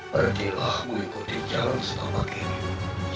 pergilahmu ikut di jalan setelah begini